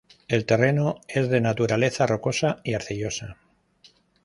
El terreno es de naturaleza rocosa y arcillosa.